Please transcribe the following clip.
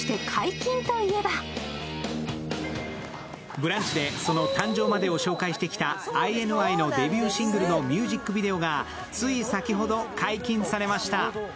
ブランチでその誕生までを紹介してきたＩＮＩのデビューシングルのミュージックビデオがつい先ほど解禁されました。